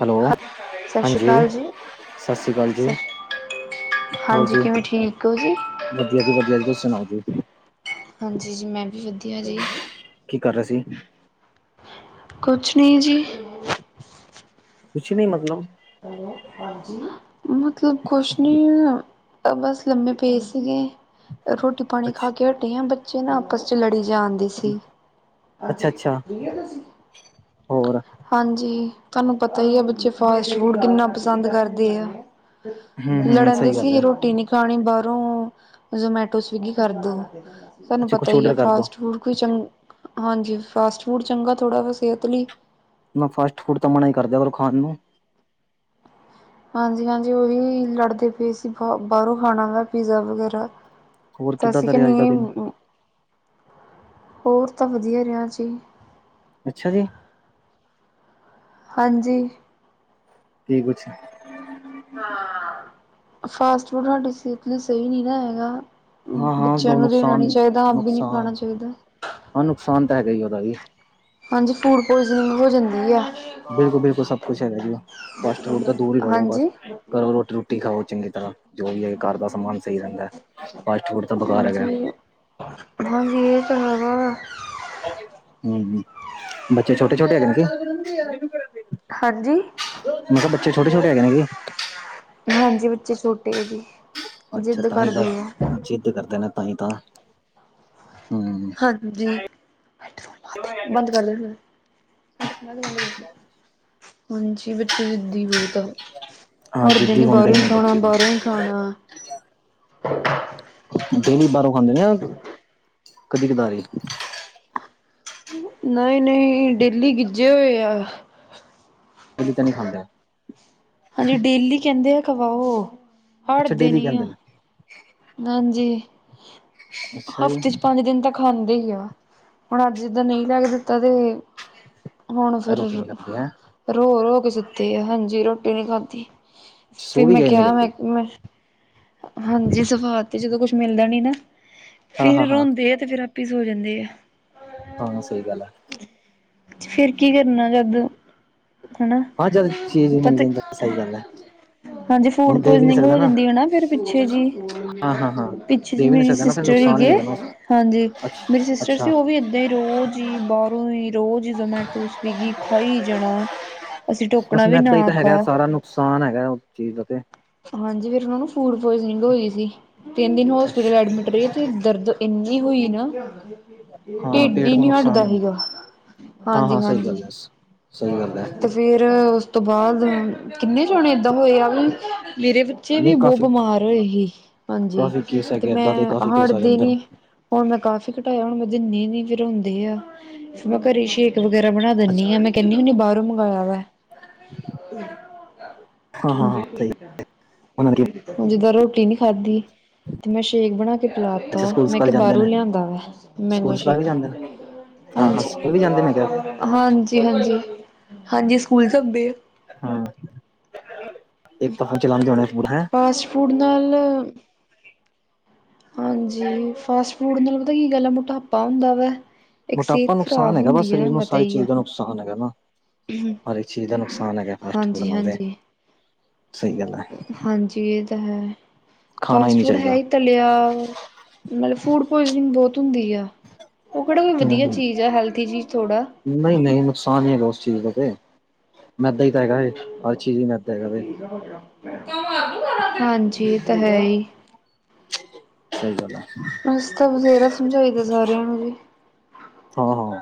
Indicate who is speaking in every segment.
Speaker 1: Hello
Speaker 2: ਸਤਿ ਸ੍ਰੀ
Speaker 1: ਹਾਂਜੀ
Speaker 2: ਅਕਾਲ ਜੀ
Speaker 1: ਸਤਿ ਸ਼੍ਰੀ ਅਕਾਲ ਜੀ ਹੋਰ
Speaker 2: ਹਾਂਜੀ
Speaker 1: ਜੀ
Speaker 2: ਕਿਵੇਂ ਠੀਕ ਹੋ ਜ
Speaker 1: ਵਧੀਆ ਜੀ ਵਧੀਆ ਜੀ ਤੁਸੀਂ ਸੁਣਾਓ ਜੀ
Speaker 2: ਹਾਂਜੀ ਜੀ ਮੈਂ ਵੀ ਵਧੀਆ ਜੀ
Speaker 1: ਕੀ ਕਰ ਰਹੇ ਸੀ
Speaker 2: ਕੁਛ ਨਹੀਂ ਜੀ
Speaker 1: ਕੁਛ ਨ ਮਤਲਬ
Speaker 2: ਮਤਲਬ ਕੁਛ ਨੀ ਬਸ ਲੰਮੇ ਪਏ ਸੀਗੇ ਰੋਟੀ ਪਾਣੀ ਖਾ
Speaker 1: ਅੱਛਾ
Speaker 2: ਕੇ ਹਟੀੇ ਆ ਬੱਚੇ ਨਾ ਆਪਸ ਚ ਲੜੀ ਜਾਣ ਹਾਂ
Speaker 1: ਅੱਛਾ ਅੱਛਾ ਹੋਰ
Speaker 2: ਹਾਂਜੀ ਤੁਹਾਨੂੰ ਪਤਾ ਹੀ ਆ ਬੱਚੇ ਫਾਸਟ ਫੂਡ ਕਿੰਨਾ ਪਸੰਦ ਕਰਦੇ ਆ
Speaker 1: ਹੂੰ ਹੂੰ
Speaker 2: ਲੜਨਂ ਦੇਈ
Speaker 1: ਸਹੀ
Speaker 2: ਸੀ
Speaker 1: ਗੱਲ
Speaker 2: ਹੀ
Speaker 1: ਹੈ
Speaker 2: ਰੋਟੀ ਨ ਪਾਣੀ ਬਾਹਰੋਂ ਜਮੈਟੋ ਸਵਿਗੀ ਕਰਦੋ ਸਹਾਨੂੰ
Speaker 1: ਅੱਛਾ
Speaker 2: ਪਤਾ
Speaker 1: ਕੁਛ
Speaker 2: ਹੀ ਆ
Speaker 1: ਔਡਰ ਕਰ ਦੋ
Speaker 2: ਫਾਸਟ ਫੂਡ ਕੋਈ ਚੰ ਹਾਂਜੀ ਫਾਸਟ ਫੂਡ ਚੰਗਾ ਥੋੜ੍ਹਾ ਵ ਸਿਹਤ ਲਈ
Speaker 1: ਮੈਂ ਫਾਸਟ ਫੂਡ ਤਾਂ ਮਨਾ ਹੀ ਕਰਦਾ ਪਰ ਖਾਣ ਨੂੰ
Speaker 2: ਹਾਂਜੀ ਹਾਂਜੀ ਉਹੀ ਲੜਦੇ ਪਏ ਸੀ ਬ ਬਾਹਰੋਂ ਖਾਣਾ ਵਾ ਪੀਜ਼ਾ ਵਗੈਰਾ
Speaker 1: ਹੋਰ
Speaker 2: ਤਾਂ
Speaker 1: ਕਿੱਦਾਂ
Speaker 2: ਅਸੀਂ
Speaker 1: ਦਾ
Speaker 2: ਕਿ
Speaker 1: ਰਿਹਾ ਅੱਜ ਦਾ
Speaker 2: ਨਹੀਂ
Speaker 1: ਦਿਨ
Speaker 2: ਹੋਰ ਤਾਂ ਵਧੀਆ ਰਿਹਾ ਜੀ
Speaker 1: ਅੱਛਾ ਜੀ
Speaker 2: ਹਾਂਜੀ
Speaker 1: ਕੀ ਕੁੱਛ
Speaker 2: ਫਾਸਟ ਫੂਡ ਸਾਡੇ ਸਿਹਤ ਲਈ ਸਹੀ ਨਈ ਨਾ ਹੈਗਾ।
Speaker 1: ਹਾਂ ਹਾਂ
Speaker 2: ਬੱਚੇਆਂ
Speaker 1: ਦੋ
Speaker 2: ਨੂੰ ਦੇਣਾ
Speaker 1: ਨੁਕਸਾਨ
Speaker 2: ਨ ਚਾਹੀਦਾ ਆਪ ਵੀ ਨੀ
Speaker 1: ਨੁਕਸਾਨ
Speaker 2: ਖਾਣਾ ਚਾਹੀਦਾ।
Speaker 1: ਹਾਂ ਨੁਕਸਾਨ ਤਾਂ ਹੈਗਾ ਈ ਓਦਾ ਵੀ।
Speaker 2: ਹਾਂਜੀ ਫੂਡ ਪੋਇਜ਼ਨਿੰਗ ਹੋ ਜਾਂਦੀ ਆ।
Speaker 1: ਬਿਲਕੁਲ ਬਿਲਕੁਲ ਸਭ ਕੁਛ ਹੈਗਾ ਜੀ। ਫਾਸਟ ਫੂਡ ਤਾਂ ਦੂਰ ਹੀ ਰਹੋ ਬਸ
Speaker 2: ਹਾਂਜੀ
Speaker 1: ਘਰੋਂ ਰੋਟੀ ਰੂਟੀ ਖਾਓ ਚੰਗੀ ਤਰ੍ਹਾਂ। ਜੋ ਵੀ ਹੈ ਘਰ ਦਾ ਸਮਾਨ ਸਹੀ ਰਹਿੰਦਾ ਐ। ਫਾਸਟ ਫੂਡ ਤਾਂ ਬਕਾਰ ਹੈਗਾ
Speaker 2: ਹਾਂਜੀ
Speaker 1: ਐ।
Speaker 2: ਹਾਂਜੀ ਏ ਤਾਂ ਹੈਗਾ।
Speaker 1: ਹੂਂ ਹ ਬੱਚੇ ਛੋਟੇ ਛੋਟੇ ਹੈਗੇ ਨੇ ਕਿ?
Speaker 2: ਹਾਂਜੀ।
Speaker 1: ਮੈਂ ਕਿਹ ਬੱਚੇ ਛੋਟੇ ਛੋਟੇ ਹੈਗੇ ਨੇ ਕੀ?
Speaker 2: ਹਾਂਜੀ ਬੱਚੇ ਛੋਟੇ ਐ ਜੀ।
Speaker 1: ਅੱਛਾ
Speaker 2: ਜਿੱਦ
Speaker 1: ਤਾਂ ਹੀ ਬਸ
Speaker 2: ਕਰਦੇ ਐ।
Speaker 1: ਜਿੱਦ ਕਰਦੇ ਨੇ ਤਾਂਹੀ ਤਾਂ। ਹੂੰ।
Speaker 2: ਹਾਂਜੀ। ਬੰਦ ਕਰਦੇ ਫੇਰ। ਹਾਂਜੀ ਬੱਚੇ ਜਿੱਦੀ ਬਹੁਤ ਆ
Speaker 1: ਹਾਂ
Speaker 2: ਹਟਦੇ
Speaker 1: ਜਿੱਦੀ
Speaker 2: ਨੀ
Speaker 1: ਹੁੰਦੇ
Speaker 2: ਬਾਹਰੋਂ ਹੀ
Speaker 1: ਨੇ
Speaker 2: ਖਾਣਾ
Speaker 1: ਬੱਚੇ ਤੇ
Speaker 2: ਬਾਹਰੋਂ ਹੀਾਣਾ, ਖਾਣਾ
Speaker 1: ਡੇਲੀ ਬਾਹਰੋਂ ਖਾਂਦੇ ਨੇ ਕਦੀ ਕਦਾਰੀ
Speaker 2: ਨਹੀਂ ਨਹੀਂ ਡੇਲੀ ਗਿੱਜੇ ਹੋਏ ਆ
Speaker 1: ਉਹਜ ਤਾਂ ਨਹੀਂੀ ਖਾਂਦੇ
Speaker 2: ਹਾਂਜੀ ਡੇਲੀ ਕਹਿੰਦੇ ਆ ਖਵਾਓ ਹਰ
Speaker 1: ਅੱਛਾ
Speaker 2: ਦੇਨ
Speaker 1: ਡੇਲੀ ਖਾਂਦੇ
Speaker 2: ਆ
Speaker 1: ਨੇ
Speaker 2: ਹਾਂਜੀ।
Speaker 1: ਅੱਛਾ
Speaker 2: ਹਫ਼ਤੇ
Speaker 1: ਜੀ
Speaker 2: ਚ ਪੰਜ ਦਿਨ ਤੱਕ ਖਾਂਦੇ ਹੀ ਆ। ਹੁਣ ਅੱਜ ਜਿੱਦਾਂ ਨਈ ਲੈ ਕੇ ਦਿੱਤਾ ਤੇ ਹੁਣ ਫੇਰ
Speaker 1: ਰੋਟੀ ਨਹੀਂ ਖਾਂਦੇ ਹੈ
Speaker 2: ਰੋ ਰੋ ਕੇ ਸੁੱਤੇ ਆ। ਹਾਂਜੀ ਰੋਟੀ ਨੀ ਖਾਧੀ। ਫਿ
Speaker 1: ਸੋ ਵੀ
Speaker 2: ਮੈਂ
Speaker 1: ਗਏ ਇੰਨੀ
Speaker 2: ਕਿਹਾ ਮੈਂ
Speaker 1: ਜਲਦੀ
Speaker 2: ਮੈਂ ਹਾਂਜੀ। ਸਵਾਦ ਤੇ ਜਦੋਂ ਕੁਛ ਮਿਲਦਾ ਨੀ ਨਾ
Speaker 1: ਹਾਂ ਹਾਂ
Speaker 2: ਫੇਰ
Speaker 1: ਹਾਂ
Speaker 2: ਰੋਂਦੇ ਆ ਤੇ ਫੇਰ ਆਪਾਂ ਵਪਿਸ ਹੋ ਜਾਂਦੇ ਆ਼
Speaker 1: ਹਾਂ ਸਹੀ ਗੱਲ ਹੈ।
Speaker 2: ਫੇਰ ਕੀ ਕਰਨਾ ਜਦ ਹਨਾ
Speaker 1: ਹਾਂ ਜਦ ਚੀਜ਼ ਮਿਲ
Speaker 2: ਪਤਾ
Speaker 1: ਜਾਂਦਾ ਸਹੀ ਗੱਲ ਹੈ
Speaker 2: ਹਾਂਜੀ
Speaker 1: ਹੁਣ
Speaker 2: ਫੂਡ
Speaker 1: ਦੇ ਵੀ ਨਹੀਂ
Speaker 2: ਪੋਇਜਨਿੰਗ
Speaker 1: ਸਕਦਾ
Speaker 2: ਹੋ ਜਾਂਦੀ ਹੈ ਨਾ ਫੇਰ ਪਿੱਛੇ ਜੀ।
Speaker 1: ਹਾਂ ਹਾਂ ਹਾਂ
Speaker 2: ਪਿੱਛੇ ਜੀ
Speaker 1: ਦੇ ਵੀ ਨਹੀਂ
Speaker 2: ਮੇਰੀ
Speaker 1: ਸਕਦਾ ਨਾ ਫਿਰ
Speaker 2: ਸਿਸਟਰ
Speaker 1: ਨੁਕਸਾਨ
Speaker 2: ਹੀਗੇ
Speaker 1: ਹੀ ਹੈਗਾ ਨਾ
Speaker 2: ਹਾਂਜੀ ਮੇਰੀ ਸਿਸਟਰ ਸੀ
Speaker 1: ਅੱਛਾ
Speaker 2: ਓ ਵੀ ਏਦਾਂ ਈ ਰੋਜ਼ ਈ ਬਾਹਰੋਂ ਈ ਰੋਜ਼ ਜਮੈਟੋ ਸਵੀਗੀ ਖਾਈ ਜਾਣਾ। ਅਸੀ
Speaker 1: ਬਸ
Speaker 2: ਟੋਕਣਾ ਵੀ
Speaker 1: ਮੈਦਾ ਹੀ
Speaker 2: ਨਾ
Speaker 1: ਤਾਂ ਹੈਗਾ
Speaker 2: ਖਾਓ
Speaker 1: ਸਾਰਾ ਨੁਕਸਾਨ ਹੈਗਾ ਐ ਓਸ ਚੀਜ਼ ਦਾ ਤੇ।
Speaker 2: ਹਾਂਜੀ ਫੈਰ ਔਨਾਂ ਨੂੰ ਫੂਡ ਪੁਆਇਜਨਿੰਗ ਹੋਈ ਸੀ ਤਿੰਨ ਦਿਨ ਹੋਸਪਿਟਲ ਐਡਮਿਟ ਰਹੇ ਤੇ ਦਰਦ ਇੰਨੀ ਹੋਈ ਨਾ
Speaker 1: ਹਾਂ
Speaker 2: ਟੀਡ ਹੀ
Speaker 1: ਪੇਟ
Speaker 2: ਈ
Speaker 1: ਨੂੰ
Speaker 2: ਨੀ ਹਟਦਾ
Speaker 1: ਨੁਕਸਾਨ ਹੈ
Speaker 2: ਸੀਗਾ।
Speaker 1: ਹਾਂ-ਹਾਂ
Speaker 2: ਹਾਂਜੀ
Speaker 1: ਸਹੀ
Speaker 2: ਹਾਂਜੀ।
Speaker 1: ਗੱਲ ਐ, ਸਹੀ ਗੱਲ ਐ
Speaker 2: ਤੇ ਫੇਰ। ਰ ਓਸ ਤੋਂ ਬਾਅਦ ਕਿੰਨੇ ਜਾਣੇ ਏਦਾਂ ਹੋਏ ਆ ਵੀ ਮੇਰੇ ਬੱਚੇ ਵੀ
Speaker 1: ਨਹੀਂ
Speaker 2: ਬੋਤ
Speaker 1: ਕਾਫੀ
Speaker 2: ਬਮਾਰ ਹੋਏ ਹੀ। ਹਾਂਜੀ।
Speaker 1: ਕਾਫੀ ਕੇਸ
Speaker 2: ਤੇ
Speaker 1: ਹੈਗੇ ਏਦਾਂ ਦੇ
Speaker 2: ਮੈਂ
Speaker 1: ਕਾਫੀ ਕੇਸ ਆ
Speaker 2: ਹਟਦੀ
Speaker 1: ਜਾਂਦੇ ਨੇ
Speaker 2: ਨੀ। ਹੁਣ ਮੈਂ ਕਾਫੀ ਘਟਾਇਆ ਹੁਣ ਮੈਂ ਦਿੰਨੀ ਨੀ ਫੇਰ ਰੁੰਦੇ ਆ। ਫੇਰ ਮੈਂ ਘਰੇ ਸ਼ੇਕ ਵਗੈਰਾ ਬਣਾ ਦਿੰਨੀ ਆ ਮੈਂ ਕਹਿੰਨੀ ਹੁਨੀ ਬਾਹਰੋਂ ਮੰਗਵਾਇਆ ਵਾ।
Speaker 1: ਹਾਂ-ਹਾਂ-ਹਾਂ ਸਹੀ
Speaker 2: [unintelligible]
Speaker 1: ਉਹਨਾਂ ਨੇ
Speaker 2: ਹੁਣ ਜਿੱਦਾਂ ਰੋਟੀ ਨੀ ਖਾਧੀ ਤੇ ਮੈਂ ਸ਼ੇਕ ਬਣਾ ਤੇ
Speaker 1: ਅੱਛਾ
Speaker 2: ਪਲਾਤਾ।
Speaker 1: ਸਕੂਲ
Speaker 2: ਮੈਂ
Speaker 1: ਸਕਾਲ
Speaker 2: ਕਿਹਾ
Speaker 1: ਜਾਂਦੇ
Speaker 2: ਬਾਹਰੋਂ
Speaker 1: ਨੇ
Speaker 2: ਲਿਆਂਦਾ ਵਾ। ਮੈਂਗੋ
Speaker 1: ਸਕੂਲ ਸਕਾਲ
Speaker 2: ਸ਼ੇਕ।
Speaker 1: ਵੀ ਜਾਂਦੇ ਨੇ ਹਾਂ-ਹਾਂ ਸਕੂਲ ਵੀ ਜਾਂਦੇ ਮੈਂ ਕਿਹਾ
Speaker 2: ਹਾਂਜੀ, ਹਾਂਜੀ ਹਾਂਜੀ। ਹਾਂਜੀ ਸਕੂਲ ਚਬੇ।
Speaker 1: ਏਕ ਤਹਾਂ ਚਲਾਂਦੇ ਹੋਣੇ ਫੂਡ ਹੈਂ।
Speaker 2: ਫਾਸਟ ਫੂਡ ਨਾਲ ਹਾਂਜੀ ਫਾਸਟ ਫੂਡ ਨਾਲ ਪਤਾ ਕੀ ਗੱਲ ਆ ਮੋਟਾਪਾ ਹੁੰਦਾ ਵੈ।
Speaker 1: ਮੋਟਾਪਾ ਨੁਕਸਾਨ ਹੈਗਾ ਵਾ ਸਰੀਰ ਨੂੰ ਸਾਰੀ ਚੀਜ਼ ਦਾ ਨੁਕਸਾਨ ਹੈਗਾ ਨਾ। ਹਰ ਇੱਕ ਚੀਜ਼ ਦਾ ਨੁਕਸਾਨ ਹੈਗਾ। ਫਾਸਟ ਫੂਡ
Speaker 2: ਹਾਂਜੀ
Speaker 1: ਨਾਲ ਤੇ
Speaker 2: ਹਾਂਜੀ
Speaker 1: ਸਹੀ ਗੱਲ ਐ
Speaker 2: ਹਾਂਜੀ ਇਹ ਤਾਂ ਹੈ।
Speaker 1: ਖਾਣਾ
Speaker 2: ਫਾਸਟ
Speaker 1: ਨਹੀਂ
Speaker 2: ਫੂਡ ਹੈ
Speaker 1: ਚਾਹੀਦਾ
Speaker 2: ਹੀ ਤਲਿਆ ਮਤਲਬ ਫੂਡ ਪੋਇਜ਼ਨਿੰਗ ਬਹੁਤ ਹੁੰਦੀ ਆ। ਉਹ ਕਿਹੜਾ ਕੋਈ ਵਧੀਆ ਚੀਜ਼ ਆ ਹੈਲਥੀ ਚੀਜ਼ ਥੋੜ੍ਹਾ।
Speaker 1: ਨਹੀਂ ਨਹੀਂ ਨੁਕਸਾਨ ਹੀ ਹੈਗਾ ਉਸ ਚੀਜ਼ ਦਾ ਤੇ ਮੈਦਾ ਹੀ ਤਾਂ ਹੈਗਾ ਹਰ ਚੀਜ਼ ਹੀ ਮੈਦਾ ਹੈਗਾ ਵੇਂ।
Speaker 2: ਹਾਂਜੀ ਇਹ ਤਾਂ ਹੈ ਹੀ।
Speaker 1: ਸਹੀ ਗੱਲ ਹੈ
Speaker 2: ਬਸ ਤਾਂ ਵਧੇਰਾ ਸਮਝਾਈ ਦਾ ਸਾਰਿਆਂ ਨੂੰ ਜੀ।
Speaker 1: ਹਾਂ ਹਾਂ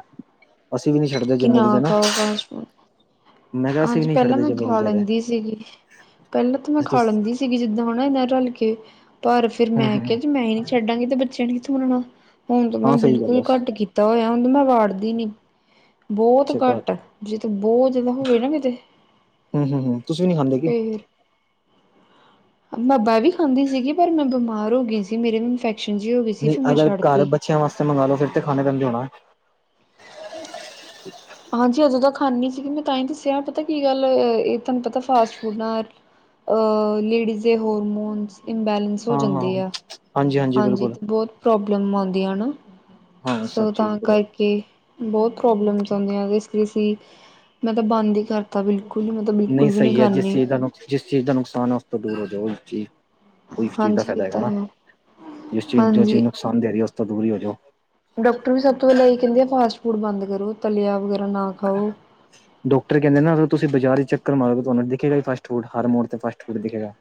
Speaker 1: ਅਸੀਂ ਵੀ ਨਹੀਂੀ ਛੱਡਦੇ ਜੇ
Speaker 2: ਕਿ
Speaker 1: ਮੀਲ ਜਏ ਨਾ।
Speaker 2: ਖਾਓ ਫਾਸਟ ਫੂਡ
Speaker 1: ਮੈਂ ਕਿਹਾ ਅਸੀਂ
Speaker 2: ਹਾਂਜੀ
Speaker 1: ਵੀ ਨੀ
Speaker 2: ਪਹਿਲਾਂ
Speaker 1: ਛੱਡਦੇ
Speaker 2: ਮੈਂ
Speaker 1: ਜੇ ਮਿਲ
Speaker 2: ਖਾ
Speaker 1: ਜੇ ਤੇ
Speaker 2: ਲੈਂਦੀ ਸੀਗੀ, ਪਹਿਲਾਂ ਤਾਂ ਮੈਂ
Speaker 1: ਅੱਛਾ
Speaker 2: ਖਾ
Speaker 1: ਤੁਸ
Speaker 2: ਲੈਂਦੀ ਸੀਗੀ ਜਿੱਦਾਂ ਹੁਣ ਇਹਨਾਂ ਰਲ ਕੇ ਪਰ ਫਿਰ
Speaker 1: ਹੂੰ
Speaker 2: ਮੈਂ
Speaker 1: ਹੂੰ
Speaker 2: ਕਿਆ ਜੇ ਮੈਂ ਈ ਨੀ ਛੱਡਾਂਗੀ ਤੇ ਬੱਚਿਆਂ ਨੇ ਕਿੱਥੋਂ ਮੁੜਨਾ। ਹੁਣ ਤ ਮੈਂ
Speaker 1: ਹਾਂ ਸਹੀ ਗੱਲ
Speaker 2: ਬਿਲਕੁਲ
Speaker 1: ਹੈ
Speaker 2: ਘੱਟ
Speaker 1: ਅੱਛਾ
Speaker 2: ਕੀਤਾ ਹੋਇਆ ਹੁਣ ਮੈਂ ਵਾੜਦੀ ਨੀ। ਬੋਤ
Speaker 1: ਘਰ
Speaker 2: ਘੱਟ। ਜੇ ਤੇ ਬੋਤ ਜਦਾ ਹੋਵੇ ਨਾ ਕਿਤੇ।
Speaker 1: ਹੂੰ, ਹੂੰ, ਹੂੰ, ਤੁਸੀ ਵੀ ਨੀ ਖਾਂਦੇ ਕੀ?
Speaker 2: ਮਾਬਾ ਵੀ ਖਾਂਦੀ ਸੀਗੀ ਪਰ ਮੈਂ ਬਮਾਰ ਹੋ ਗਈ ਸੀ ਮੇਰੇ ਵੀ ਇਨਫੈਕਸ਼ਨ ਜੀ ਹੋ ਗਈ ਸੀ ਫੇਰ ਮੈਂ ਛੱਡ ਤੀ।
Speaker 1: ਬਚੇਆ ਵਾਸਤੇ ਮੰਗਵਾ ਲੋ ਫੇਰ ਤੇ ਖਾਣੇ ਪੈਂਦੇ ਹੋਣਾ।
Speaker 2: ਹਾਂਜੀ ਓਦੋਂ ਤ ਖਾਂਨੀ ਸੀਗੀ ਮੈਂ ਤਾਂ ਹੀ ਦੱਸਿਆ ਪਤਾ ਕੀ ਗੱਲ ਏਹ ਤੁਆਨੂੰ ਪਤਾ ਫਾਸਟ ਫੂਡ ਨਾਲ ਅ ਲੇਡੀਜ਼ ਦੇ ਹੋਰਮੋਨਸ ਇੰਬੈਲੈਂਸ ਹੋ
Speaker 1: ਹਾਂ-ਹਾਂ।
Speaker 2: ਜਾਂਦੇ ਆ ਹਾਂਜੀ ਤੇ ਬਹੁਤ ਪ੍ਰੋਬਲਮ ਆਉਂਦੀਆਂ ਨਾ,
Speaker 1: ਹਾਂ ਸਭ
Speaker 2: ਸੋ
Speaker 1: ਚੀਜ਼
Speaker 2: ਤਾਂ
Speaker 1: ਬਰੋ
Speaker 2: ਕਰਕੇ ਬਹੁਤ ਪ੍ਰੋਬਲਮਸ ਆਉਂਦੀਆਂ ਜਿਸ ਕਰਸੀ ਮੈਂ ਤਾਂ ਬੰਦ ਈ ਕਰ ਤਾਂ ਬਿਲਕੁਲ ਈ ਮਤਲਬ
Speaker 1: ਨਹੀਂ
Speaker 2: ਬਿਲਕੁਲ ਵੀ ਨੀ
Speaker 1: ਸਹੀ ਹੈ ਜਿਸ
Speaker 2: ਖਾਂਣੀ ਆ।
Speaker 1: ਚੀਜ਼ ਦਾ ਨੁਕ ਜਿਸ ਚੀਜ਼ ਦਾ ਨੁਕਸਾਨ ਹੈ ਉਸ ਤੋਂ ਦੂਰ ਹੋ ਜਾਵੇ ਉਹ ਉਹ ਇਸ ਚੀਜ਼ ਦਾ
Speaker 2: ਹਾਂਜੀ ਇਹ
Speaker 1: ਫਾਇਦਾ ਹੈਗਾ
Speaker 2: ਤਾਂ
Speaker 1: ਨਾ,
Speaker 2: ਹੈ
Speaker 1: ਜਿਸ ਚੀਜ਼ ਜੋ
Speaker 2: ਹਾਂਜੀ
Speaker 1: ਚੀਜ਼ ਨੁਕਸਾਨ ਦੇ ਰਈ ਐ ਉਸ ਤੋਂ ਦੂਰ ਈ ਹੋ ਜੋ।
Speaker 2: ਡਾਕਟਰ ਵੀ ਸਭ ਤੋਂ ਪਹਿਲਾਂ ਇਹ ਕਹਿੰਦੇ ਆ ਫਾਸਟ ਫੂਡ ਬੰਦ ਕਰੋ ਤਲਿਆ ਵਗੈਰਾ ਨਾ ਖਾਓ।
Speaker 1: ਡਾਕਟਰ ਕਹਿੰਦੇ ਨਾ ਅਗਰ ਤੁਸੀਂ ਬਾਜ਼ਾਰ ਚ ਚੱਕਰ ਮਾਰੋ ਤੁਆਨੂੰ ਦਿਖੇਗਾ ਹੀ ਫਾਸਟ ਫੂਡ ਹਰ ਮੋੜ ਤੇ ਫਾਸਟ ਫੂਡ ਦਿਖੇਗਾ।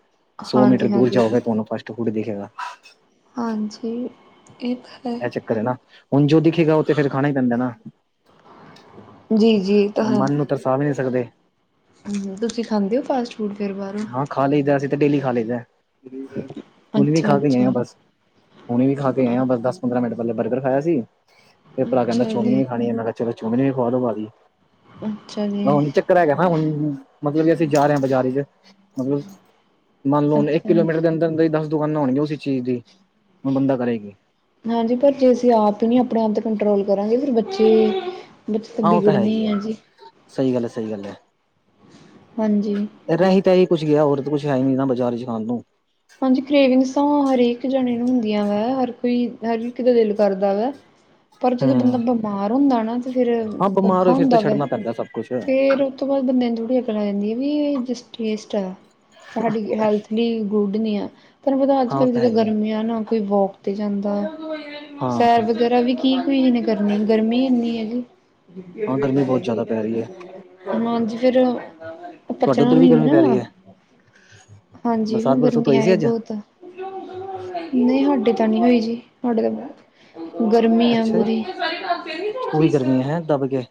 Speaker 1: ਸੌ ਮੀਟਰ
Speaker 2: ਹਾਂਜੀ
Speaker 1: ਦੂਰ
Speaker 2: ਹਾਂਜੀ
Speaker 1: ਜਾਓਗੇ ਤੁਆਨੂੰ ਫਸਟ ਫੂਡ ਦਿਖੇਗਾ।
Speaker 2: ਹਾਂਜੀ ਇਹ ਤਾਂ ਹੈ
Speaker 1: ਇਹ ਚੱਕਰ ਹੈਨਾ, ਹੁਣ ਜੋ ਦਿਖੇਗਾ ਉਹ ਤੇ ਫੇਰ ਖਾਣਾ ਈ ਪੈਂਦਾ ਨਾ।
Speaker 2: ਜੀ-ਜੀ ਤਾਂ ਹਾਂ।
Speaker 1: ਮਨ ਨੂੰ ਤਰਸਾ ਵੀ ਨਈ ਸਕਦੇ।
Speaker 2: ਹੂੰ ਤੁਸੀਂ ਖਾਂਦੇ ਓ ਫਾਸਟ ਫੂਡ। ੂਟਦੇ ਦੇ ਬਾਦ [unintelligible]
Speaker 1: ਹਾਂ ਖਾ ਲਈਦਾ ਅਸੀਂ ਤਾਂ ਡੇਲੀ ਖਾ ਲਈਦਾ ਹੁਣ ਵੀ
Speaker 2: ਅੱਛਾ
Speaker 1: ਖਾ ਕੇ ਆਏ ਆ
Speaker 2: ਅੱਛਾ
Speaker 1: ਬਸ। ਹੁਣੇ ਵੀ ਖਾ ਕੇ ਆਏ ਬਸ ਦਸ ਪੰਦਰਾਂ ਮਿੰਟ ਪਹਿਲੇ ਬਰਗਰ ਖਾਇਆ ਸੀ ਤੇ ਭਰਾ ਕਹਿੰਦਾ
Speaker 2: ਅੱਛਾ
Speaker 1: ਚੋਮਿਨ
Speaker 2: ਜੀ
Speaker 1: ਵੀ ਖਾਣੀ ਆ ਮੈਂ ਕਿਆ ਚਲੋ ਚੋਮਿਨ ਵੀ ਖਵਾ ਦੋ ਭਾਜੀ।
Speaker 2: ਅੱਛਾ ਜੀ
Speaker 1: ਹ ਨੀ ਚੱਕਰ ਹੈਗਾ ਨਾ ਹੁਣ ਮਤਲਬ ਕਿ ਅਸੀਂ ਜਾ ਰਏ ਆ ਬਾਜ਼ਾਰ ਚ ਮਤਲਬ ਮੰਨ ਲਓ ਹੁਣ ਇੱਕ
Speaker 2: ਅੱਛਾ
Speaker 1: ਕਿਲੋਮੀਟਰ ਦੇ ਅੰਦਰ ਅੰਦਰ ਈ ਦਸ ਦੁਕਾਨਾਂ ਹੋਣਗੀਆਂ ਉਸੀ ਚੀਜ਼ ਦੀ, ਹੁਣ ਬੰਦਾ ਕਰੇ ਕੀ?
Speaker 2: ਹਾਂਜੀ ਪਰ ਜੇ ਅਸੀਂ ਆਪ ਈ ਨਈ ਅਪਣੇ ਆਪ ਤੇ ਕੰਟਰੋਲ ਕਰਾਂਗੇ ਫਿਰ ਬੱਚੇ ਬੱਚੇ ਤਾਂ
Speaker 1: ਹਾਂ ਉਹ ਹੈ
Speaker 2: ਬਿਗੜਨੇ
Speaker 1: ਹੀ ਹੈ
Speaker 2: ਐ ਜੀ,
Speaker 1: ਸਹੀ ਗੱਲ ਹੈ ਸਹੀ ਗੱਲ
Speaker 2: ਹਾਂਜੀ।
Speaker 1: ਰੈਹੀ ਤਾਂ ਇਹੀ ਕੁਛ ਗਿਆ ਓਰ ਤੇ ਕੁੱਛ ਹੈ ਹੀ ਨੀ ਨਾ ਬਾਜ਼ਾਰ ਚ ਖਾਣ ਨੂੰ।
Speaker 2: ਹਾਂਜੀ ਕਰੇਵਿੰਗਸ ਤਾਂ ਹਰੇਕ ਜਣੇ ਨੂੰ ਹੁੰਦੀਆਂ ਵਾ ਹਰ ਕੋਈ ਹਰ ਇੱਕ ਦਾ ਦਿਲ ਕਰਦਾ ਵਾ। ਅ [unintelligible] ਪਰ ਜਦੋਂ ਬੰਦਾ
Speaker 1: ਹਮ
Speaker 2: ਬਿਮਾਰ ਹੁੰਦਾ ਨਾ ਤੇ ਫੇਰ
Speaker 1: ਹਾਂ ਬਿਮਾਰ
Speaker 2: ਔਖਾ
Speaker 1: ਹੋਏ ਫਿਰ ਤਾਂ
Speaker 2: ਹੁੰਦਾ ਵਾ।
Speaker 1: ਛੱਡਣਾ ਪੈਂਦਾ ਸਭ ਕੁਛ ਹਾਂ
Speaker 2: ਫੇਰ ਉਸ ਤੋਂ ਬਾਦ ਬੰਦੇ ਨੂੰ ਥੋੜ੍ਹੀ ਅਕਲ ਆ ਜਾਂਦੀ ਆ ਵੀ ਇਹ ਜਸਟ ਟੇਸਟ ਆ, ਤੁਹਾਡੀ ਹੈਲਥ ਲਈ ਗੁੱਡ ਨੀ ਆ ਤੁਹਾਨੂੰ ਪਤਾ ਅੱਜ
Speaker 1: ਉਹ
Speaker 2: ਕੱਲ੍ਹ
Speaker 1: ਤਾਂ ਹੈ
Speaker 2: ਜਿਦਾਂ
Speaker 1: ਹੀ ਹੈ
Speaker 2: ਗਰਮੀ ਆ ਨਾ ਕੋਈ ਵੋਕ ਤੇ ਜਾਂਦਾ
Speaker 1: ਹਾਂ
Speaker 2: ਸੈਰ ਵਗੈਰਾ ਵੀ ਕੀ ਕੇਹੇ ਨੇ ਕਰਨੀ ਗਰਮੀ ਇੰਨੀ ਹੈਗੀ। [unintelligible]
Speaker 1: ਹਾਂ ਗਰਮੀ ਬਹੁਤ ਜ਼ਿਆਦਾ ਪੈ ਰਹੀ ਹੈ
Speaker 2: ਹਾਂਜੀ ਫੇਰ
Speaker 1: ਤੁਹਾਡੇ
Speaker 2: ਪਚਾ
Speaker 1: ਉੱਧਰ ਵੀ
Speaker 2: ਵੀਨੀ
Speaker 1: ਗਰਮੀ
Speaker 2: ਨਾ
Speaker 1: ਪੈ ਰਹੀ ਹੈ
Speaker 2: ਆ
Speaker 1: [inaudible]
Speaker 2: ਇਨੂੰ
Speaker 1: ਬਰਸੁਤ
Speaker 2: ਗਰਮੀ
Speaker 1: ਹੋਈ ਸੀ
Speaker 2: ਆਈ
Speaker 1: ਅੱਜ
Speaker 2: ਬੋਤ ਆ। ਨਹੀਂ ਹੈਡੇ ਤਾਂ ਨੀ ਹੋਈ ਜੀ ਤੁਹਾਡੇ ਤਾਂ ਬਹੁ ਗਰਮੀ ਆ
Speaker 1: ਅੱਛਾ ਜੀ
Speaker 2: ਪੂਰੀ।
Speaker 1: ਪੂਰੀ ਗਰਮੀ ਹੈਂ ਦੱਬ ਕੇ,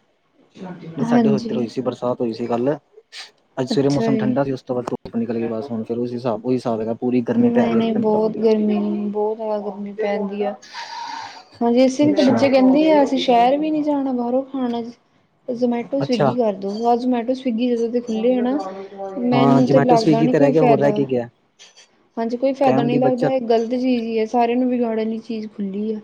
Speaker 1: ਨਈ ਸਾਡੇ ਹੋਧਰ
Speaker 2: ਹਾਂਜੀ
Speaker 1: ਹੋਈ ਸੀ ਬਰਸਾਤ। ਹੋਈ ਸੀ ਕੱਲ, ਅੱਜ ਸਵੇਰੇ
Speaker 2: ਅੱਛਾ
Speaker 1: ਮੌਸਮ
Speaker 2: ਜੀ
Speaker 1: ਠੰਡਾ ਸੀ ਉਸ ਤੋਂ ਬਾਦ ਧੁਪ ਨਿਕਲ ਗਈ ਬਸ, ਹੁਣ ਫੇਰ ਉਸ ਹੀ ਹਿਸਾਬ ਓਹੀ ਹਿਸਾਬ ਹੈਗਾ। ਪੂਰੀ ਗਰਮੀ ਪੈ
Speaker 2: ਨਈ,
Speaker 1: ਰਹੀ ਹੈ ਇਸ
Speaker 2: ਨਈ
Speaker 1: ਟਾਈਮ
Speaker 2: ਬੋਤ
Speaker 1: ਤਪਦੀ
Speaker 2: ਗਰਮੀ ਬੋਤ ਬੜਾ ਗਰਮੀ ਪੈਂਦੀ ਆ ਹਜੇ ਏਸੇ ਲਈ ਤਾਂ
Speaker 1: ਅੱਛਾ
Speaker 2: ਬੱਚੇ ਕਹਿੰਦੇ ਆ ਅਸੀਂ ਸ਼ਹਿਰ ਵੀ ਨੀ ਜਾਣਾ ਬਾਹਰੋਂ ਖਾਣਾ ਜ਼ਮੈਟੋ ਸਵਿਗੀ
Speaker 1: ਅੱਛਾ
Speaker 2: ਕਰਦੋ ਜਾ ਜ਼ਮੈਟੋ ਸਵਿਗੀ ਜਦੋਂ ਦੇ ਖੁੱਲੇ ਆ ਨਾ
Speaker 1: ਹਾਂ
Speaker 2: ਮੈਨੂੰ ਤੇ
Speaker 1: ਜਮੈਟੋ
Speaker 2: ਲੱਗਦਾ
Speaker 1: ਸਵੀਗੀ
Speaker 2: ਨੀ
Speaker 1: ਤੇ
Speaker 2: ਕੀ
Speaker 1: ਰਹਿ ਗਿਆ ਹੋਰ ਰਹਿ
Speaker 2: ਪੈਦਲ
Speaker 1: ਕੇ ਗਿਆ
Speaker 2: ਹਾਂਜੀ ਕੋਈ ਫਾਇਦਾ
Speaker 1: ਟਾਈਮ
Speaker 2: ਨੀ
Speaker 1: ਦੀ
Speaker 2: ਲੱਗਦਾ,
Speaker 1: ਬੱਚਤ
Speaker 2: ਇਹ ਗ਼ਲਤ ਚੀਜ਼ ਈ ਐ, ਸਾਰਿਆਂ ਨੂੰ ਵਿਗਾੜਨ ਲਈ ਚੀਜ਼ ਖੁੱਲੀ ਆ।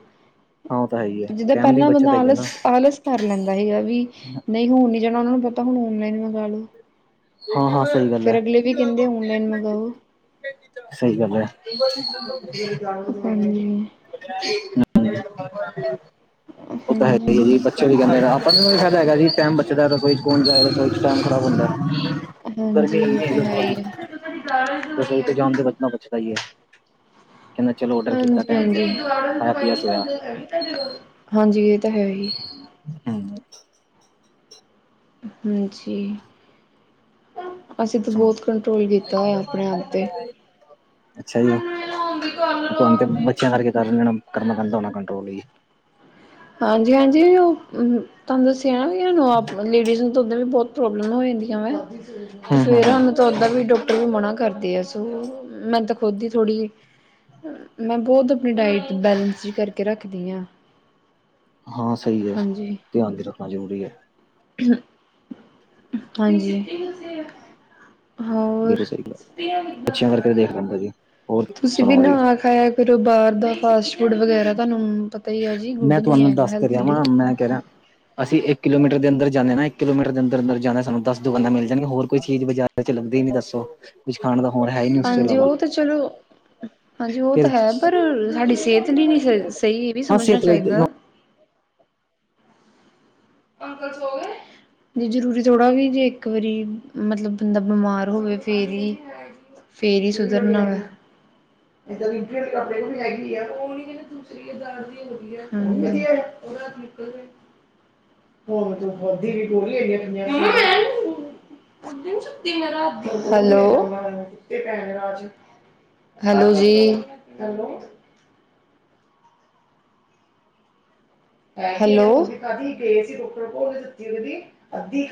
Speaker 1: ਹਾਂ ਉਹ ਤਾਂ ਹੈ ਹੀ ਹੈ
Speaker 2: ਜਿੱਦਾਂ
Speaker 1: ਟਾਈਮ ਦੀ
Speaker 2: ਪਹਿਲਾਂ ਬੰਦਾ
Speaker 1: ਬੱਚਤ ਹੈਗੀ ਨਾ
Speaker 2: ਆਲਸ-ਆਲਸ ਕਰ ਲੈਂਦਾ ਏ ਵੀ ਨਹੀਂ ਹਣ ਨ ਨਹੀਂ ਜਾਣਾ ਉਹਨਾ ਨੂੰ ਪਤਾ ਹੁਣ ਔਨਲਾਈਨ ਮੰਗਾ ਲਓ।
Speaker 1: ਹਾਂ-ਹਾਂ
Speaker 2: ਫਿਰ ਅਗਲੇ ਵੀ ਕਹਿੰਦੇ ਔਨਲਾਈਨ ਮੰਗਵਾਓ।
Speaker 1: ਸਹੀ ਗੱਲ ਹੈ। [unintelligible]
Speaker 2: [unintelligible]
Speaker 1: [unintelligible] ਉਹ ਤਾਂ ਹੈ
Speaker 2: ਹਾਂਜੀ
Speaker 1: ਈ ਜੀ ਬੱਚੇ ਵੀ ਕਹਿੰਦੇ ਆਪਾ ਇ ਹੈਗਾ ਜੀ ਟੈਮ ਬੱਚੇ ਦਾਣ ਜਾ ਟੈਮ ਖਰਾਬ ਹੁੰਦਾ। ਗਰਮੀ
Speaker 2: ਹਾਂਜੀ
Speaker 1: ਇਨੀ
Speaker 2: ਇਹ ਤਾਂ
Speaker 1: ਹੈ ਉੱਤੋਂ ਦੀ
Speaker 2: ਹੀ ਆ
Speaker 1: ਸਹੀ ਤਾਂ ਜਾਣ ਦੇ ਬਚਣਾ ਬਚੇ। ਕਹਿੰਦਾ ਚਲੋ ਔਡਰ ਕੀਤਾ ਟੈਮ
Speaker 2: [unintelligible] ਹਾਂਜੀ, ਇਹ ਤਾਂ ਹੈ ਹੀ।
Speaker 1: ਹੂ
Speaker 2: ਹਾਂਜੀ। ਅਸੀਂ
Speaker 1: ਹੋਰ
Speaker 2: ਤਾਂ
Speaker 1: ਸੁਣਾਓ
Speaker 2: ਬਹੁਤ
Speaker 1: ਜੀ
Speaker 2: ਕੰਟਰੋਲ ਕੀਤਾ ਹੋਇਆ। ਆਪਣੇ ਆਪ 'ਤੇ
Speaker 1: ਅੱਛਾ ਜੀ। ਤੁਹਾਨੂੰ ਬੱਚਿਆਂ ਕਰਕੇ ਕਰਨਾ ਪੇਂਦਾ ਹੋਣਾ ਕੰਟਰੋਲ ਜੀ।
Speaker 2: ਹਾਂਜੀ, ਹਾਂਜੀ ਉਹ ਤੁਹਾਨੂੰ ਦੱਸਿਆ ਨਾ ਵੀ, ਇਹਨੂੰ ਆਪ ਲੇਡੀਜ਼ ਨੂੰ ਦੁਧ ਵੀ ਬਹੁਤ ਪ੍ਰੋਬਲਮ ਹੋ ਜਾਂਦੀਆਂ ਤੇ
Speaker 1: ਹੂੰ ਹੂੰ
Speaker 2: ਫਿਰ ਸਾਨੂੰ
Speaker 1: ਹੂੰ
Speaker 2: ਉਦਾਂ ਵੀ ਡਾਕਟਰ ਵੀ ਮਨਾ ਕਰਦੇ ਆ। ਸੋ ਮੈਂ ਤਾਂ ਖੁਦ ਈ ਥੋੜੀ ਮੈਂ ਬਹੁਤ ਆਪਣੀ ਡਾਇਟ ਬੈਲੈਂਸ ਕਰਕੇ ਰੱਖਦੀ ਆ।
Speaker 1: ਹਾਂ ਸਈ ਐ
Speaker 2: ਹਾਂਜੀ।
Speaker 1: ਧਿਆਨ ਵੀ ਰੱਖਣਾ ਜ਼ਰੂਰੀ ਐ।
Speaker 2: ਹਾਂਜੀ ਹੋਰ
Speaker 1: ਬਿਲਕੁਲ ਸਹੀ ਗੱਲ ਅੱਛੇ ਆਂ ਕਰਕੇ ਦੇਖ ਲੈਂਦਾ ਜੀ। ਹੋਰ
Speaker 2: ਤੁਸੀਂ ਵੀ
Speaker 1: ਸੁਣਾਓ ਜੀ
Speaker 2: ਨਾ ਖਾਇਆ ਕਰੋ ਬਾਹਰ ਦਾ ਫਾਸਟ ਫੂਡ ਵਗੈਰਾ ਤੁਹਾਨੂੰ ਪਤਾ ਈ ਆ ਜੀ ਗੁੱਡ
Speaker 1: ਮੈਂ
Speaker 2: ਨਹੀਂ
Speaker 1: ਤੁਹਾਨੂੰ
Speaker 2: ਹੈਗਾ
Speaker 1: ਦੱਸ ਤੇ
Speaker 2: ਹੈਲਥ
Speaker 1: ਰਿਹਾ ਵਾਂ,
Speaker 2: ਲਈ
Speaker 1: ਮੈਂ ਕਹਿ ਰਿਹਾ ਅਸੀਂ ਇੱਕ ਕਿਲੋਮੀਟਰ ਦੇ ਅੰਦਰ ਜਾਂਨੇ ਆ ਨਾ। ਇੱਕ ਕਿਲਮੀਟਰ ਦੇ ਅੰਦਰ, ਅੰਦਰ ਜਾਂਣਾ ਸਾਨੂੰ ਦਸ ਦਕਾਨਾਂ ਮਿਲ ਜਾਣੀਆਂ। ਹੋਰ ਕੋਈ ਚੀਜ਼ ਚ ਲੱਗਦੇ ਹੀ ਨੀ ਦੱਸੋ, ਕੁਝ ਖਾਣ ਦਾ ਹੋਰ ਹੈ ਨੀ ਏਸ ਤੋਂ
Speaker 2: ਹਾਂਜੀ
Speaker 1: ਇਲਾਵਾ।
Speaker 2: ਉਹ ਤਾਂ ਚਲੋ ਹਾਂਜੀ ਉਹ ਤਾਂ
Speaker 1: ਫਿਰ
Speaker 2: ਹੈ ਪਰ ਸਾਡੀ ਸਿਹਤ ਲਈ ਨਈ ਸ ਸਈ, ਇਹ ਵੀ
Speaker 1: ਹਾਂ
Speaker 2: ਸਮਝਣਾ
Speaker 1: ਸਿਹਤ ਲਈ
Speaker 2: ਚਾਹੀਦਾ। ਪਾਪਾ ਸੋਗੇ? ਜੇ ਜਰੂਰੀ ਥੋੜਾ ਵੀ ਜੇ ਇੱਕ ਵਾਰੀ ਮਤਲਬ ਬੰਦਾ ਬਿਮਾਰ ਹੋਵੇ ਫਿਰ ਈ ਫਿਰ ਈ ਸੁਧਰਨਾ [unintelligible] ਹਾਜੀਂ [unintelligible] ਹੈਲੋ ਹੈਲੋ ਜੀ ਹੈਲੋ [unintelligible]